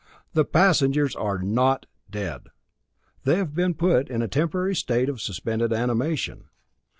The passengers are NOT dead! They have been put in a temporary state of suspended animation.